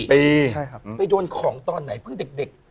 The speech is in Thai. ไปโดนของตอนไหนเพิ่งเด็ก